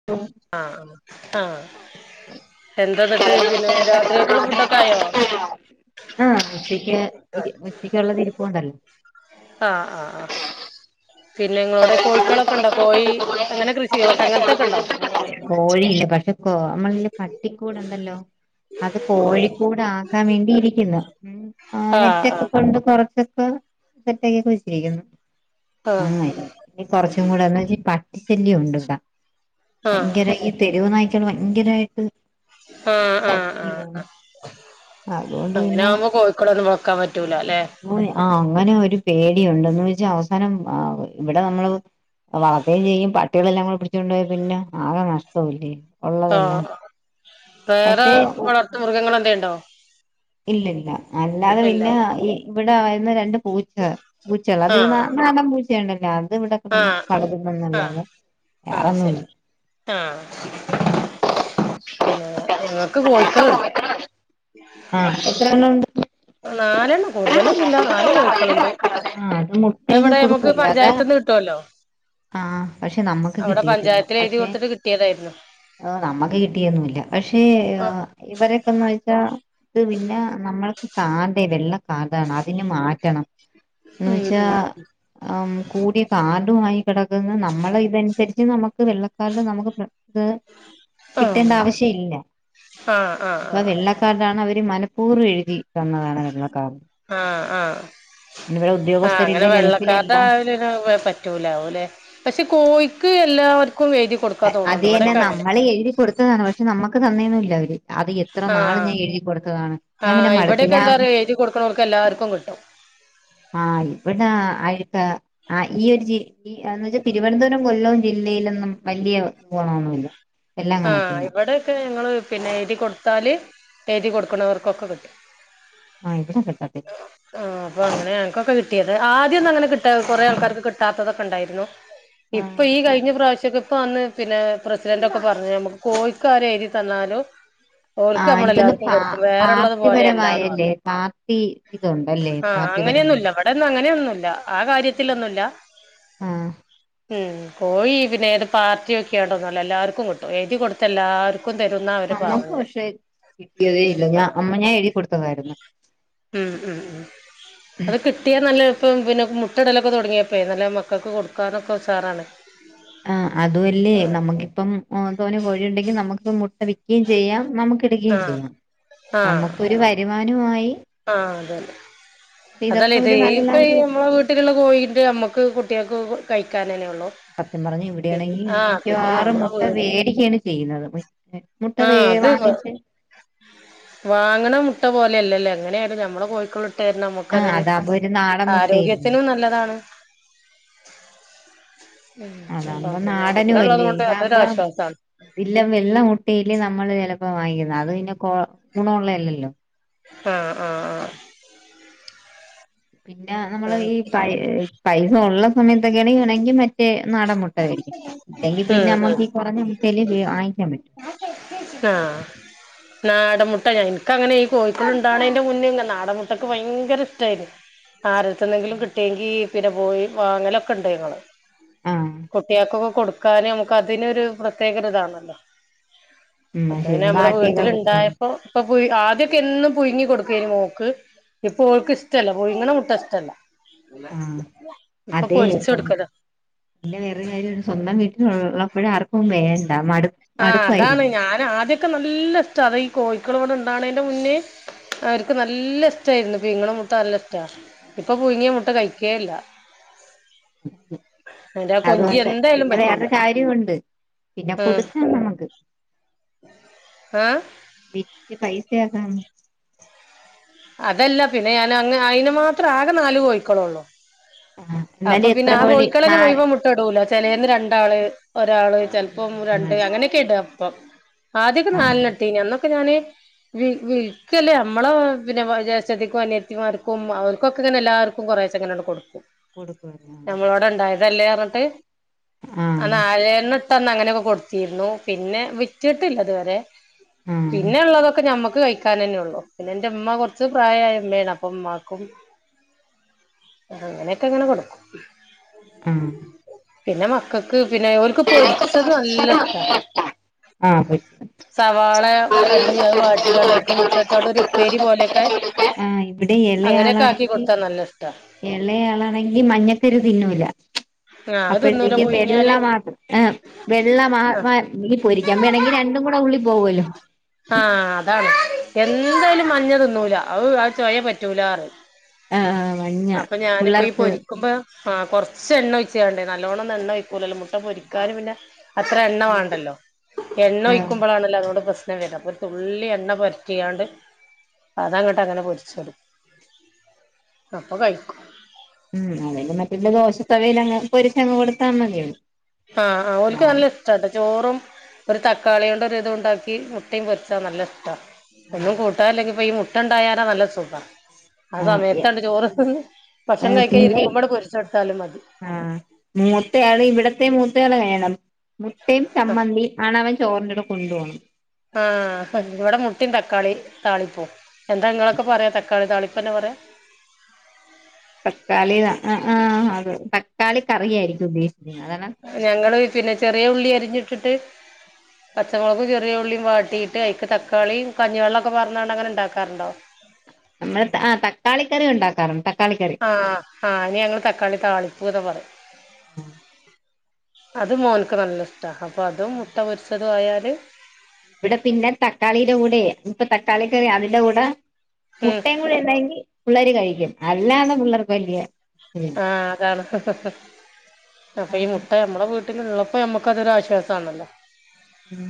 [unintelligible] ആഹ് ആഹ് എന്താന്ന്ട്ട് പിന്നെ രാത്രിക്കക്ക്ള്ള ഫുഡൊക്കെ ആയോ ആഹ് ഉച്ചയ്ക്ക് ഉച്ചയ്ക്കൊള്ളത് ഇരിപ്പൊണ്ടല്ലോ ആഹ് ആഹ് ആഹ് പിന്നെ ഇങ്ങളോടെ കോയ്ക്കളൊക്കെ ഇണ്ടോ കോഴി അങ്ങനെ കൃഷികളൊ അങ്ങൻത്തൊക്കെ ഇണ്ടോ കോഴിയില്ല പക്ഷേക്കോ നമ്മളല്ല് പട്ടിക്കൂട്ണ്ടല്ലോ അത് കോഴിക്കൂടാ ക്കാൻ വേണ്ടിയിരിക്ക്ന്ന് ആ ആഹ് നെറ്റൊക്കെ കൊണ്ട് കൊറച്ചൊക്കെ സെറ്റാക്കി ഒക്കെവെച്ചിരിക്കുന്നു ആഹ് കൊറച്ചും കൂടെ എന്ന് വെച്ചാ പട്ടി ശല്ല്യം ഒണ്ട് ഇവിടാ ആഹ് ഭയങ്കര തെരുവ് നായ്ക്കള് ഭയങ്കരായിട്ട് ആഹ് ആഹ് ആഹ് ആഹ് ശല്ല്യവാണ് അങ്ങനെ ആവുമ്പോ കോയിക്കുട് ഒന്നും വെക്കാൻ പറ്റൂലാല്ലെ ഓന് ആഹ് അങ്ങനെ ഒരു പേടിയുണ്ടന്ന്വെച്ചാ അവസാനം ആഹ് ഇവിടെ നമ്മള് വളർത്തേം ചെയ്യും പട്ടികളെല്ലാം കൂടെപ്പിടിച്ചോണ്ടോയാ പിന്നെ ആകെ നഷ്ടവല്ലേ ഒള്ളതെല്ലാം ആഹ് വേറെ വളർത്തു മൃഗങ്ങളെന്തേലും ഇണ്ടോ ഇല്ല ഇല്ല അല്ലാതെ പിന്നെ ഇല്ലാല്ലേ ഇവിടായ്ര്ന്ന രണ്ട് പൂച്ച പൂച്ചാള് അത് ആഹ് നാടൻ പൂച്ചേ ഇണ്ടല്ലേ അത് ഇവിടെ ആഹ് ആഹ് [unintelligible] ആഹ് ശരി വേറൊന്നുംല്ലാ ആഹ് പിന്നെ ഞങ്ങക്ക് കോയിക്കള്ണ്ട് ആഹ് എത്രണ്ണം ഒണ്ട് നാലെണ്ണം കൂട്തലൊന്നുല്ല നാല് കോയിക്കള്ണ്ട്. ആഹ് അത് മുട്ടയൊക്കെ ഇവടെ നമ്മക്ക് കൊടുക്കൂലേ അതാ പഞ്ചായത് ന്ന് കിട്ടോല്ലോ ആഹ് പക്ഷെ നമ്മുക്ക് കിട്ടിയിട്ടില്ല. പഞ്ചായത്തിൽ എഴുതി പക്ഷെ, കൊടുത്തിട്ട് കിട്ടിയതായിരുന്നു ആഹ് നമ്മക്ക് കിട്ടിയൊന്നുല്ല പക്ഷേ ആ ആഹ് ഇവരൊക്കെന്ന് വെച്ചാൽ ഇത് പിന്നെ നമ്മൾക്ക് കാണ്ടെ വെള്ള കാർഡാണ് അതിനെ മാറ്റണം എന്നന്ന് ഉം വെച്ചാ ആ കൂടിയ കാർഡുമായി കിടക്കുന്ന് നമ്മൾ ഇതനുസരിച്ച് നമുക്ക് വെള്ളക്കാർഡ് നമുക്ക് പ്ര ത് ഉം കിട്ടേണ്ട ആവശ്യം ഇല്ല ആ ആ ആ ആ ഇപ്പൊ വെള്ള കാർഡാണ് അവർ മനപ്പൂർവ്വം എഴുതി തന്നതാണ് വെള്ളക്കാർഡ് ആ ആ ഇനിവിടെ ആ അങ്ങനെ ഉദ്യോഗസ്ഥരില്ല വെള്ളക്കാർഡ് ഗൾഫിലല്ല ആവല [unintelligible] പറ്റ് പറ്റൂലാവോ അല്ലെ പക്ഷെ കോഴിക്ക് എല്ലാവർക്കും എഴുതി കൊടുത്ത് അത് തന്നെ നമ്മള് എഴുതി കൊടുത്തതാണ് പക്ഷെ നമ്മുക്ക് തന്നയൊന്നുയില്ല അവര് അത് എത്ര ആ നാള് ഞാൻ എഴുതി കൊടുത്തതാണ് ആ ഞാൻ പിന്നെ മടുത്ത് ഇവിടെയൊക്കെ ഞാൻ എന്താ പറയാ എഴുതി കൊടുക്കണോർക്ക് എല്ലാവർക്കും കിട്ടും ആ ഇവിടെ ആയിട്ട് ആ ഈ ഒരു ജി ഈ അന്ന് വെച്ചാൽ തിരുവനന്തപുരം കൊല്ലവും ജില്ലയിലൊന്നും വലിയ ഗുണമൊന്നു ഇല്ല. ആഹ ഇവിടെക്കെ ഞങ്ങള് പിന്നെ എഴുതി കൊടുത്താല് എഴുതി കൊടുക്കുന്നവർക്കൊക്കെ കിട്ടും. ആഹ് ഇവിടെ കിട്ടത്തില്ല ആ അപ്പൊ അങ്ങനെ ഞങ്ങക്കൊക്കെ കിട്ടിയത് ആദ്യം ഒന്നും അങ്ങനെ കിട്ടാ കൊറേ ആൾക്കാർക്ക് കിട്ടാത്തതൊക്കെ ഉണ്ടായിരുന്നു. ആ ഇപ്പൊ ഈ കഴിഞ്ഞ പ്രാവശ്യക്കെ ഇപ്പ വന്ന് പിന്നെ പ്രസിഡന്റ ഒക്കെ പറഞ്ഞ നമുക്ക് കോഴിക്കാരെ എഴുതി തന്നാലോ ആ ഓൽക്ക് എനിക്കൊന്ന് നമ്മളെല്ലാർക്കും പാ കൊടുക്കും വേറെള്ളത് പോലെയല്ലാന്ന് പറ പാർട്ടിപരമായല്ലേ പാർട്ടി ഇതുണ്ടല്ലേ ആഹ് പാർട്ടിപരം അങ്ങനെയൊന്നും ല്ല [unintelligible] ഇവിടെന്നും അങ്ങനെയൊന്നുംല്ല ആ കാര്യത്തിലൊന്നുല്ല ആ ഉം കോയി പിന്നെ ഏത് പാർട്ടിയൊക്കികണ്ടൊന്നുല്ല എല്ലാവർക്കും കിട്ടും എഴുതി കൊടുത്ത എല്ലാർ ക്കും തരുന്ന അവര് നമ്മക്ക് പറഞ്ഞേ പക്ഷെ കിട്ടിയതേ ഇല്ല ഞാൻ അമ്മ ഞാൻ എഴുതിക്കാടുത്തതായിരുന്നു. ഉം ഉം അതൊക്കെ കിട്ടിയാൽ നല്ല എളുപ്പം പിന്നെ മുട്ടിടലൊക്കെ തുടങ്ങിയപ്പോഴെ നല്ല മക്കൾക്ക് കൊടുക്കാനൊക്കെ ഉഷാറാണ്. ആ അതു അല്ലേ നമുക്കിപ്പം തോനേ കോഴിയുണ്ടെങ്കിൽ നമുക്ക് മുട്ട വിൽക്കുകയും ചെയ്യാം നമുക് ടുകയും ആഹ് ചെയ്യാം നമുക്കൊരു വരുമാനമായി ആ അതല്ലെ പക്ഷെ അതല്ലേ ഇതൊക്കെ ഇത് ഒരു ഈ നല്ല പ്പൊ ഈ ഒരു നമ്മള് വീട്ടിലുള്ള കോഴിന്റെ ഞമ്മക്ക് കുട്ടികൾക്ക് കഴിക്കാൻ ന്നെ ഉള്ളു. സത്യം പറഞ്ഞാ പിന്ന ഇവിടെയാണെങ്കിൽ ആഹ് പിന്നെ മിക്കവാറും ഞമ്മളെ മുട്ട വീ വേടിക്കയാണ് ചെയ്യുന്നത്. മുട്ട വേ ആഹ് അത് വാങ്ങിച്ച് വാങ്ങണ മുട്ട പോലെയല്ലല്ലോ എങ്ങനെ ആലും ഞമ്മള് കോഴിക്കു ള്ള് [unintelligible] ആ നമുക്കതൊരു അതാകുമ്പോ ഒരു നാടൻ മുട്ടയല്ലേ ആരോഗ്യത്തിനും നല്ലതാണ്. ഉ അപ്പം അതാകുമ്പോ പിന്നെ മുട്ടള്ളത് കൊണ്ട് അതൊരാശ്വാസാണ്. ഇതില്ലെ വെള്ള മുട്ടിയല്ലെ നമ്മള് ചിലപ്പോ വാങ്ങിക്കുന്നെ അത് പിന്നെ കൊ ഗുണം ഉള്ളയല്ലല്ലോ. ആ ആ പിന്നെ നമ്മള് ആഹ് ഈ പ പൈസ ഉള്ള സമയത്തൊക്കെയാണെങ്കി വേണമെങ്കിൽ മറ്റേ നാടൻ മുട്ട മുട്ട വേടിക്കും ഇണ്ടെങ്കി പിന്നെ ഉം നമ്മുക്ക് ഈ കുറഞ്ഞ മുട്ടയല്ലേ വേ വാങ്ങിക്കാൻ പറ്റു ആഹ നാടൻമുട്ട ഞങ്ങക്കങ്ങനെ ഈ കോഴിക്കുഞ്ഞ് ഉണ്ടാകണേന്റെ മുന്നേ ഇ നാടൻമുട്ടക്കെ ഭയങ്കര ഇഷ്ടായിരുന്നു. ആരടുത്തുന്നെങ്കിലും കിട്ടിയെങ്കിൽ പിന്നെ പോയി വാങ്ങലൊക്കെ ഉണ്ട് ഞങ്ങള്. ആ കുട്ടിയൾക്കൊക്കെ കൊടുക്കാനും നമുക്ക് അതിനൊരു പ്രത്യേക ഒരിതാണല്ലോ. ഉം ഇപ്പ പിന്നെ ശരി നമ്മടെ വാട്ടിയൊക്കെ കുടിക്കാൻ വീട്ടിലുണ്ടായപ്പോ ഇപ്പൊ പു ആദ്യൊക്കെ എന്നും പുഴുങ്ങി കൊടുക്കുവായിരുന്നു മോക്ക്. ഇപ്പ ഓൾക്ക് ഇഷ്ടല്ല പുയുങ്ങണ മുട്ട ഇഷ്ടല്ല ആഹ് ഇപ്പൊ അതെ പൊരിച്ച് സ്വ കൊടുക്കലാ പിന്നെ വേറൊരു കാര്യം സ്വന്തം വീട്ടില് ഉള്ളപ്പോഴ ആർക്കും വേണ്ട മടു ആ അതാണ് മടുപ്പായിരിക്കും ഞാൻ ആദ്യൊക്കെ നല്ല ഇഷ്ടാ അതെ ഈ കോഴിക്കള് ഇവിടെ ഉണ്ടാവണെന്റെ മുന്നേ അവർക്ക് നല്ല ഇഷ്ടായിരുന്നു പിഴ്ങ്ങണ മുട്ട നല്ല ഇഷ്ട ഇപ്പം പുയുങ്ങിയ മുട്ട കഴിക്കേ ഇല്ല. [unintelligible] അതോണ്ട് പിന്നെ പറ്റൂല വേറെരു കാര്യ ഉണ്ട്. പിന്നെ ആഹ് കൊടുക്കണം നമക്ക് ആഹ് വിറ്റ് പൈസാക്കാന് അതല്ല പിന്നെ ഞാൻ അന്ന് അയിന്മാത്ര ആകെ നാല് കോയ്ക്കളൊള്ളൂ ആഹ് അപ്പൊ എന്നാലും പിന്നെ എത്ര ആഹ് കോഴി കോയ്ക്കളന്നെ നാല് മുയിവംമുട് ക്കടൂല ചെലേന്ന് രണ്ടാള് ഒരാള് ചെല്പ്ം രണ്ട് അങ്ങനെ ഒക്കെ ഇടാ ഇപ്പം ആദ്യൊക്കെ ആഹ് നാല്ന ഇട്ടീനി അന്നൊക്കെ ഞാന് വി വിൽക്കല്ലാ നമ്മളെ പിന്നെ ജേഷ്ടതിക്കും അനിയത്തിമാർക്കും അവർക്കൊക്കെതന്നെ എല്ലാർ ക്കും ക്കൊറേച്ചങ്ങനണ്ട് കൊടുക്കും കൊടുക്കുവാന്ന നമ്മളോടെ ഇണ്ടായതല്ലേറ്ഞ്ഞ്ട്ട് അ ആഹ് നാലണ്ണ ട്ടന്നങ്ങനെ ഒക്കെ കൊടുത്തീരുന്നു പിന്നെ വിറ്റിട്ടില്ല ഇതുവരെ ആഹ് പിന്നെ ഇള്ളതൊക്കെ ഞമ്മക്ക് കയി കാനെനൊള്ളൂ. പിന്നെ ഇന്റെ ഇമ്മ കൊറ്ച്ച് പ്രായായ ഇമ്മേണ് അപ്പ ഇമ്മാക്കും അങ്ങനെയൊക്കങ്ങട് കൊടുക്കും ആഹ് പിന്നെ മക്കക്ക് പിന്നെ ഓൽക്ക് പൊരിച്ചത് നല്ല ഇഷ്ട്ടാ ആഹ് പൊരിച്ച സവാള വ അരിഞ്ഞ് അഹ് വാട്ടിക്കാണ്ട് അയ്ക് മുട്ട ഇട്ടാല് ഒരുപ്പേരി പോലെക്കെ ആഹ് ഇവിടെ അങ്ങനെ ഒക്കെ ആക്കികൊടുത്താ നല്ലഷ്ടാ എളേയാളാണെങ്കി മഞ്ഞക്കുരു തിന്നൂല ആഹ് അത് തിന്നൂല അപ്പഴ്ത്തേക്ക് വെള്ള പുഴുങ്ങിയാല് മാത് ഏ വെള്ള മാ ആഹ് മാ ഇല്ലെങ്കി പൊരിക്കാവേണങ്കി രണ്ടുംകൂടെ ഉള്ളിപോകോലൊ ആഹ് അതാണ് എന്തായാലും മഞ്ഞ തിന്നൂല. അഹ് അത് ചൊയ പറ്റൂലാറിം ആഹ് മഞ്ഞ അപ്പ ഞാനിപ്പൊ ഈ പിള്ളേർക്ക് പൊരിക്കുമ്പോ ആഹ് കൊറ്ച്ചെണ്ണ ഒഴിച്ച്കാണ്ട് നല്ലോണ്ണംന്ന്ണ്ണൊഴിക്കൂലല്ലൊ മുട്ട പൊരിക്കാന് പിന്നെ അത്ര എണ്ണ വാണ്ടല്ലോ. എണ്ണ ആഹ് ഒഴിക്കുമ്പളാണല്ലോ അതോണ്ട് പ്രശ്നംവരാ പൊ തുള്ളി എണ്ണ പൊര്റ്റിയാണ്ട് അതങ്ങട്ട് അങ്ങനെ പൊരിച്ചെടുക്കും അപ്പൊ കയിക്കും ഉം അതാ [unintelligible] മറ്റുള്ള ദോഷത്തവിയിലങ് പൊരിച്ചങ്ങ് കൊടുത്താമതി ആഹ് ആഹ് ഓൽക്ക് നല്ലഷ് ഷ്റ്റാട്ട ചോറും ഒരു തക്കാളിയോണ്ട് ഒരു ഇതു ഇണ്ടാക്കി മുട്ടേം പൊരിച്ചാ നല്ല ഇഷ്ട്ടാ ഒന്നും കൂട്ടാ ഇല്ലെങ്കിപ്പൊ ഈ മുട്ടണ്ടായാലാ നല്ല സുഖാ ആ ആഹ് സമയത്താണ്ട് ചോറുത്ന്ന് ആഹ് ഭക്ഷണംകഴിക്ക പിന്നെ ഇരിക്കുമ്പണ്ട് പൊരിച്ചെടുത്താലും മതി ആഹ് മൂത്തയാള് ഇവിടത്തെ മൂത്തയാള് വേണം മുട്ടിം, ചമ്മന്തി, ആണവൻ ചോറിൻ്റെ [unintelligible] കൊണ്ട് പോണ് ആഹ് ഇവിടെ മുട്ടിം, തക്കാളി, താളിപ്പും എന്താ ഇങ്ങളൊക്കെ പറയാ തക്കാളിതാളിപ്പെന്നെ പറയാ തക്കാളി ആഹ് ആഹ അത്. തക്കാളി കറിയായിരിക്കും ഉദ്ദേശിക്കുന്നത് അതാണ് ഞങ്ങള് പിന്നെ ചെറിയ ഉള്ളി അരിഞ്ഞിട്ടിട്ട് പച്ചമൊളകും ചെറിയ ഉള്ളിയും വാട്ടീട് ട്ട് അയ്ക്ക് തക്കാളിം കഞ്ഞിവെള്ളൊക്കെ പാർനാണ്ടങ്ങനെ ഇണ്ടാക്കാറുണ്ടോ നമ്മള് ആ തക്കാളിക്കറി ഉണ്ടാക്കാറ്ണ്ട് തക്കാളി കറി ആഹ് ആഹ് അയ്ന് ഞങ്ങള് തക്കാളി താളിപ്പ്ന്നാ പറിം അത് മോൻക്ക് നല്ല ഇഷ്ട. അപ്പൊ അതും മുട്ട പൊരിച്ചതും ആയാല് ഇവിടെപിന്നെ തക്കാളി ഇടെ കൂടെ ഇപ്പ തക്കാളി കറി അതിന്റെ കൂടെ ഉം മുട്ടൈം ട്ട ഉണ്ടെങ്കി പള്ളേര് കഴിക്കും അല്ലാന്ന പിള്ളേർക്ക് വല്യ ആഹ് അതാണ് അപ്പൊ ഈ മുട്ട നമ്മുടെ വീട്ടിലുള്ളപ്പോ നമ്മുക്കതൊരൊശ്വാസണല്ലോ ഉം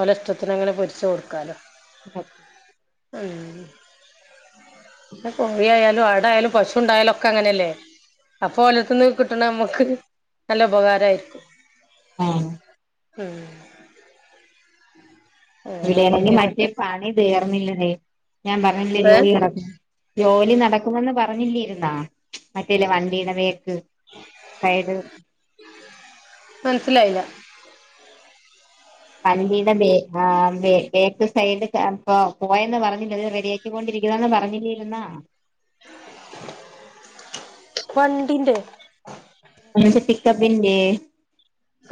ഓലെ ഇഷ്ടത്തിനങ്ങനെ പൊരിച്ച് കൊടുക്കാലോ കോഴിയായാലും ആടായാലും പശുണ്ടായാലും ക്ക അങ്ങനെയല്ലേ അപ്പൊ ഓലർ ത്ത്ന്ന് കിട്ടണ നമുക്ക് നല്ല ഉപകാരായിരിക്കും ഉം ഉം വേറെ ഇവിടെയാണെങ്കി എന്തൊക്കെയാ മറ്റേ എന്നിട്ട് പണി തീർന്നില്ലടെ ഞാൻ പറഞ്ഞില്ലേ ഏഹ് ജോലി നട ജോലി നടക്കുമെന്ന് പറഞ്ഞില്ലീരുന്നാ മറ്റേ ഇല്ല വണ്ടിട ബേക്ക് പയേദ് മനസിലായില്ല വണ്ടീട ബേ അഹ് ബേ ബേക്ക് സൈഡ് ചെപ്പൊ പോയന്ന് പറഞ്ഞില്ലേ റെഡി ക്കിക്കോണ്ടിരിക്കുന്നെന്ന് പറഞ്ഞില്ലേരുന്ന വണ്ടിന്റെ സ പിക്കപ്പിന്റെ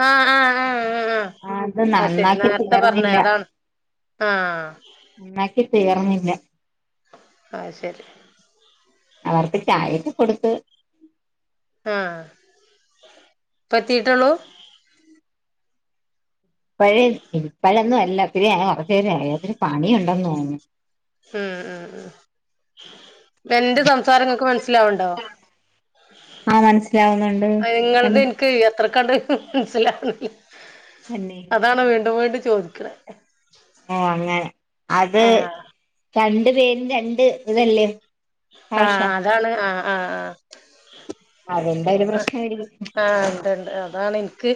ആഹ് ആഹ് ആഹ് ആഹ് അത് ആഹ് അശരി നന്നാക്കി നേർത്തെ പറഞ്ഞെ തീർന്നില്ല അതാണ് ആഹ് ന്നാക്കി തീർന്നില്ല അത്ശരി അവർക്ക് ചായേക്ക കൊടുത്ത് ആഹ് ഇപ്പ എത്തീട്ടുള്ളൂ? പ്പഴേ ഇപ്പഴൊന്നും അല്ല ഹേ കുറച്ചേരായി അതിന് പണി ഉണ്ടന്ന് തോന്നുന്നു എന്റ സംസാരം നിങ്ങക്ക് മനസ്സിലാവുണ്ടോ? ആഹ് മനസ്സിലാവുന്നു നിങ്ങൾത് എനിക്ക് എത്ര കണ്ട് മനസ്സിലാ തന്നെ അതാണ് വീണ്ടും വീണ്ടും ചോദിക്ക ഓ അങ്ങനെ അത് ആഹ് രണ്ട് പേരും രണ്ട് ഇതല്ലേ ഭാഷ ആഹ് അതാണ് ആഹ് ആഹ് അതിന്റെ ഒരു ആഹ് പ്രശ്നമായിരിക്കും ആഹ് ഉണ്ടിണ്ട് അതാണെനി ക്ക്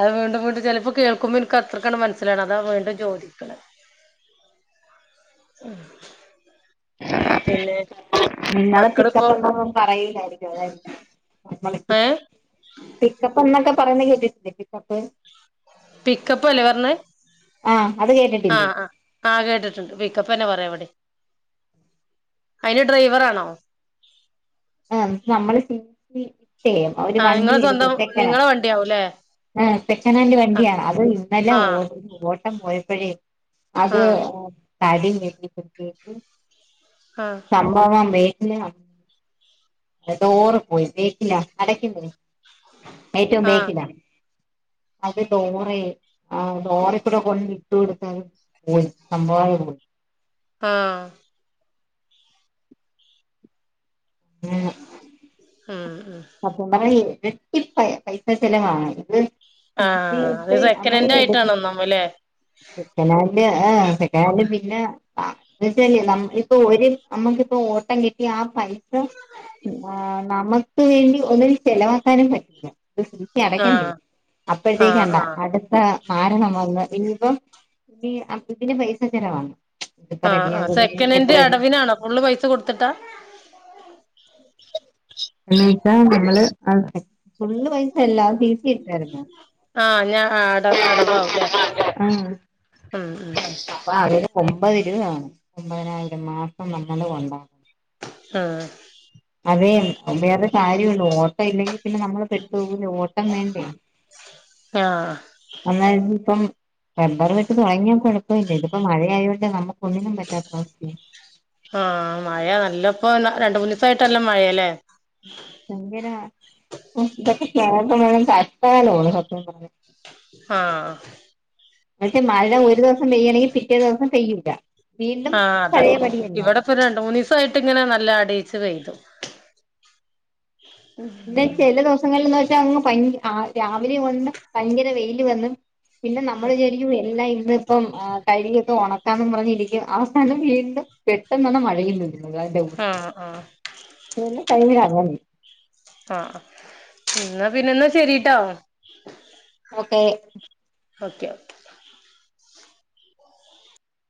അത് വീണ്ടും വീണ്ടും ചെലപ്പോ കേൾക്കുമ്പോ എനക്ക് അത്ര കണ്ട് മനസ്സിലാണ് അതാ വീണ്ടും ചോദിക്കണെ പിന്നെ നിന്നത് മക്കളിപ്പോ പിക്കപ്പ് എന്തന്നും പറയല്ലായിരിക്കും അല്ലെ ഏഹ് പിക്കപ്പ് എന്നക്ക പറയുന്ന കേട്ടിട്ടില്ലേ പിക്കപ്പ് പിക്കപ്പല്ലേ പറഞ്ഞെ ആ അത് കേട്ടിട്ടില്ലേ ആഹ് ആഹ് ആഹ് കേട്ടിട്ടുണ്ട് പിക്കപ്പന്ന പറയും ഇ വിടെ അയില് ഡ്രൈവറാണോ ആഹ് നമ്മള് തേ ഒര് ആഹ് വണ്ടി നിങ്ങളെ എടുത്ത് സ്വന്തം സെക്കന നിങ്ങളെ വണ്ടിയാവുംല്ലേ ആഹ് സെക്കനാൻഡ് ആഹ് വണ്ടിയാണ് അത് ഇന്നല ആഹ് ഓ ഓട്ടം പോയപ്പഴേ അത് ആഹ് ഹ് ആഹ് [unintelligible] ഏഹ് ഡോറ് പോയി ബേക്കില അടക്കുന്നത് ഏറ്റോം ആഹ് ബേക്കില അത് ഡോറേ ആഹ് ഡോറെക്കുട കൊണ്ടിട്ട് കൊടുത്തത് പോയി സംഭവം ആഹ് ഉം മ്മ് മ്മ് [unintelligible] ആഹ് അത് നമ്മളീ സെക്കനൻഡ് എടു ആയിട്ടാണ് ഒന്നാമല്ലേ സെക്കനാൻഡ് ആഹ് സെക്കനാൻഡ് പിന്ന അ ഇത് ശരിയല്ല നമുക്കിപ്പൊ ഒരു നമ്മുക്കിപ്പോ ഓട്ടം കിട്ടിയാ പൈസ ആഹ് നമുക്ക് വേണ്ടി ഒന്നിനും ചെലവാക്കാനും പറ്റില്ല [unintelligible] ‌ക്കി അടക്കണ്ടേ ആഹ് അപ്പഴത്തേക്ക് ആഹ് കണ്ട ആഹ് അടുത്ത മാരണം വന്ന് ഇനിയിപ്പം ഈ അപ്പ ഇതിന് പൈസ ചെലവാണ്. ഇതിപ്പോ ആഹ് ആഹ് റെഡിയാകുന്നതിന് ഇനി സെക്കനൻഡ് എത്ര രൂപ അടവിനാണോ ഫുള്ള് പൈസ കൊടുത്തിട്ടാ എന്ന് വെച്ചാ നമ്മള് അത് [unintelligible] ഫുള്ള് പൈസ എല്ലാ അത് സിസി ഇട്ടായിരുന്നു. ആഹ് ഞാ അട അടവാവുംല്ലേ [unintelligible] അഹ് ഉം ഉം അപ്പാകെ ഒമ്പത് ഇരുവവേണം ഒമ്പതിനായിരം മാസം നമ്മള് ഒണ്ടാ ആഹ് അതേ വേറൊരു കാര്യവൊണ്ട് ഓട്ടം ഇല്ലെങ്കി പിന്നെ നമ്മള് പെട്ടു പോകൂല്ലേ ഓട്ടം വേണ്ടേ ആഹ് അന്നായിര്ന്നിപ്പം റബ്ബറ് വെട്ട് തൊടങ്ങിയാ കൊഴപ്പവില്ല ഇതിപ്പ മഴയായോണ്ട് നമ്മ ഒന്നിനും പറ്റാത്ത അവസ്ഥയായി ആഹ് മഴയ നല്ലപ്പോ രണ്ട്മൂന്നീസായിട്ട് നല്ല മഴയാല്ലേ. എന്തിനാ ഓഹ് ഇതൊക്കെ [unintelligible] കഷ്ടകാലോണ് സത്യം പറഞ്ഞ ആഹ് എന്ന് വെച്ച മഴ ഒരു ദിവസം പെയ്യാണെങ്കി പിറ്റേ ദിവസം പെയ്യൂല്ല വീണ്ടും പഴയ പടി തന്ന ഇപ്പോ രണ്ട് മൂന്നീസായിട്ട് ഇങ്ങനെ നല്ല അടിയിച്ച് പെയ്തു. പിന്നെ ചില ദിവസങ്ങളിൽന്ന് വെച്ചാ അങ്ങ് ഭയങ്ക അഹ് രാവിലെ വന്ന് ഭയങ്കര വെയില് വന്ന് പിന്നെ നമ്മള് വിചാരിക്കും എല്ലാ ഇന്ന് ഇപ്പം അഹ് കഴുകിയൊക്കെ ഒണക്കാന്ന് പറഞ്ഞിരിക്കും അവസാനം വീണ്ടും പെട്ടെന്നാണ് മഴയും ആഹ് ആഹ് [unintelligible] ആഹ് അഹ് എന്നാ പിന്നെ എന്നാ ശരീട്ടോ. Okay okay okay